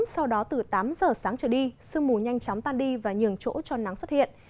sau đó từ tám giờ sáng trở đi sương mù nhanh chóng tan đi và nhường chỗ cho nắng xuất hiện